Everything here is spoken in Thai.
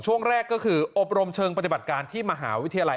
ช่วงแรกก็คืออบรมเชิงปฏิบัติการที่มหาวิทยาลัย